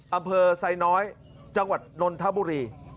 อำเภอไซน้อยจังหวัดนนทบุรี